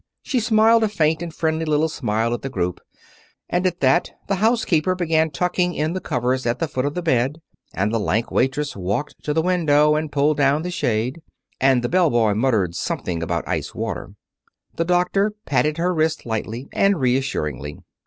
She smiled a faint and friendly little smile at the group. And at that the housekeeper began tucking in the covers at the foot of the bed, and the lank waitress walked to the window and pulled down the shade, and the bell boy muttered something about ice water. The doctor patted her wrist lightly and reassuringly.